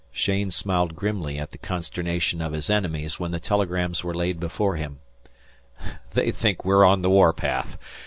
Cheyne smiled grimly at the consternation of his enemies when the telegrams were laid before him. "They think we're on the warpath.